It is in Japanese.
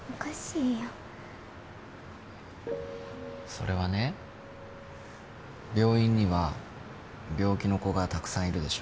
それはね病院には病気の子がたくさんいるでしょ？